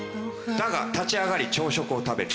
だが立ち上がり朝食を食べる。